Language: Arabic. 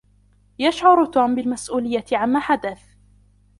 يشعر توم بالمسؤولية عما حدث.